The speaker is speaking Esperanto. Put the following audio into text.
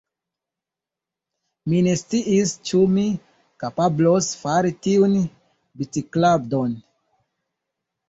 Mi ne sciis ĉu mi kapablos fari tiun bicikladon.